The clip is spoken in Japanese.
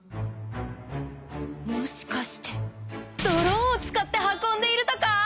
もしかしてドローンを使って運んでいるとか！